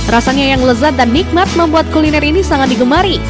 rasanya yang lezat dan nikmat membuat kuliner ini sangat digemari